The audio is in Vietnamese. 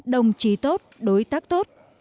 đồng chí tốt đối tác tốt